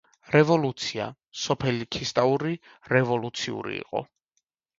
რევოლუცია—სოფელი ქისტაური რევოლუციური იყო.